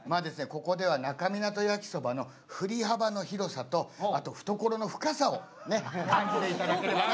ここでは那珂湊焼きそばの振り幅の広さとあと懐の深さをね感じていただければなと。